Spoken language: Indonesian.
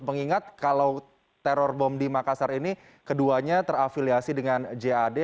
mengingat kalau teror bom di makassar ini keduanya terafiliasi dengan jad